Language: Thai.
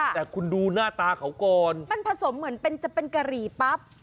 แต่คุณดูหน้าตาเขาก่อนมันผสมเหมือนเป็นจะเป็นกะหรี่ปั๊บ